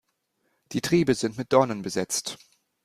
Die Triebe sind mit Dornen besetzt.